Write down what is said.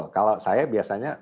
kalau saya biasanya